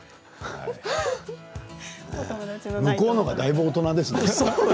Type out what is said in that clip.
向こうのがだいぶ大人ですね。